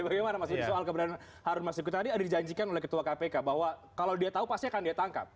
bagaimana mas budi soal keberadaan harun masiku tadi ada dijanjikan oleh ketua kpk bahwa kalau dia tahu pasti akan dia tangkap